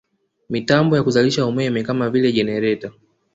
Mitambo ya kuzalisha umeme kama vile jenereta